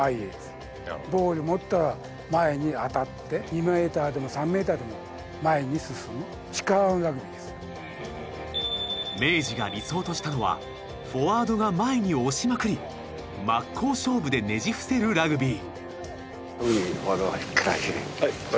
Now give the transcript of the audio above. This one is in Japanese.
そもそも明治が理想としたのはフォワードが前に押しまくり真っ向勝負でねじ伏せるラグビー。